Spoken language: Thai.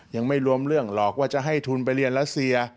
ยังไม่รวมเรื่องหลอกว่าจะให้ทุนไปเรียนรัสเซีย